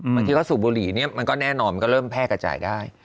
บางทีเขาสูบบุหรี่เนี่ยมันก็แน่นอนมันก็เริ่มแพร่กระจายได้